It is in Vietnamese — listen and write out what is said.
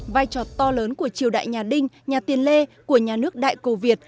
vai trò to lớn của triều đại nhà đinh nhà tiên lê của nhà nước đại cầu việt